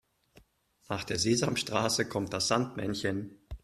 Nach der Sesamstraße kommt das Sandmännchen.